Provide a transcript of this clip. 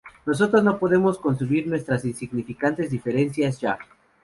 Nosotros no podemos consumir nuestras insignificantes diferencias ya.